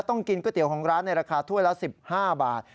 กินก๋วยเตี๋ยวของร้านในราคาถ้วยละ๑๕บาท